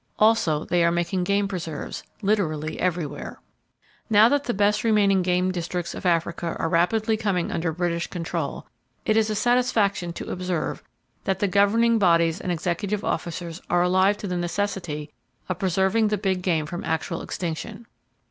Also, they are making game preserves, literally everywhere. Now that the best remaining game districts of Africa are rapidly coming under British control, it is a satisfaction to observe that the governing bodies and executive officers are alive to the necessity of preserving the big game from actual extinction.